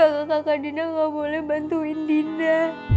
bahkan kakak kakak dinda ga boleh bantuin dinda